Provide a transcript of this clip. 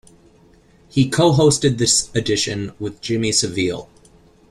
He co-hosted this edition with Jimmy Savile.